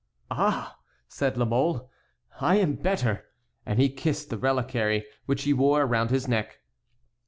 "Ah!" said La Mole, "I am better," and he kissed the reliquary, which he wore around his neck.